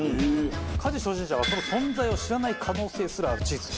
家事初心者はその存在を知らない可能性すらあるチーズ。